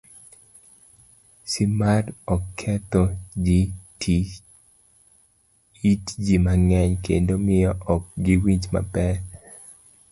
C. mar Oketho it ji mang'eny kendo miyo ok giwinj maber